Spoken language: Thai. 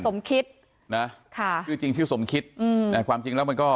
สมคิดครับคือจริงชื่อสมคิดความจริงแล้วมันก็